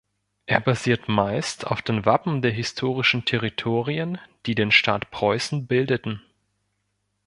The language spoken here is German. Er basiert meist auf den Wappen der historischen Territorien, die den Staat Preußen bildeten.